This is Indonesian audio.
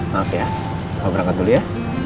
maaf ya maaf berangkat dulu ya